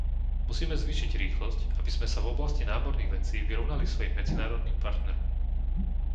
Musíme zvýšiť rýchlosť, aby sme sa v oblasti námorných vecí vyrovnali svojim medzinárodným partnerom.